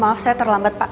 maaf saya terlambat pak